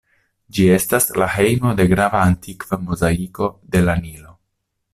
Ĝi estas la hejmo de grava antikva mozaiko de la Nilo.